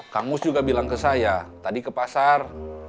kang mus juga bilang ke saya tadi ke pasar